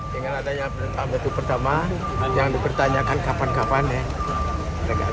dengan adanya pertama pertama yang dipertanyakan kapan kapan ya